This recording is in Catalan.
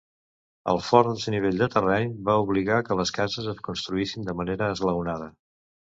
El fort desnivell del terreny va obligar que les cases es construïssin de manera esglaonada.